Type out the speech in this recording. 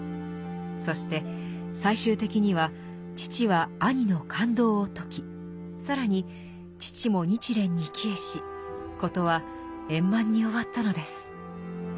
そして最終的には父は兄の勘当を解き更に父も日蓮に帰依し事は円満に終わったのです。